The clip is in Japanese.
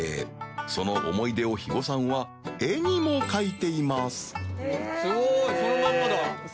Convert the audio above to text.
その思い出を肥後さんは絵にも描いています